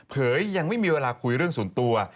ยังไม่มีเวลาคุยเรื่องส่วนตัว